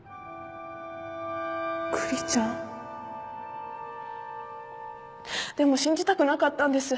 クリちゃん？でも信じたくなかったんです。